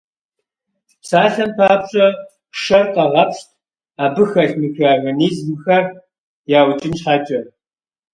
Псалъэм папщӀэ, шэр къагъэпщт, абы хэлъ микроорганизмхэр яукӀын щхьэкӀэ.